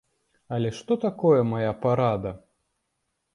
Але што такое мая парада?